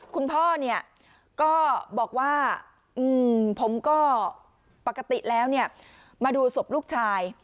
คุณพ่อเนี่ยก็บอกว่าผมก็ปกติแล้วมาดูศพลูกชาย